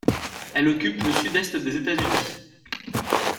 Elle occupe le sud-est des États-Unis.